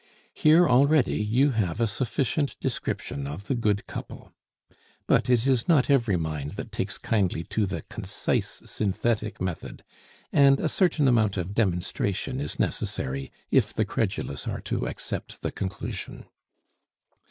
Here already you have a sufficient description of the good couple; but it is not every mind that takes kindly to the concise synthetic method, and a certain amount of demonstration is necessary if the credulous are to accept the conclusion.